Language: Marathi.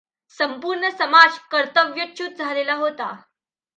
संपूर्ण समाज कर्तव्यच्युत झालेला होता.